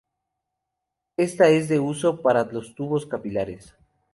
Esta es de uso para los tubos capilares.